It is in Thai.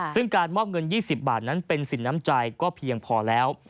ซึ่งการมอบเงิน๒๐บาทนั้นเป็นสินน้ำใจก็เพียงพอแล้ว